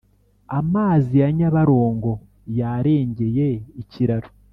Amazi yanyabarongo yarengeye ikiraro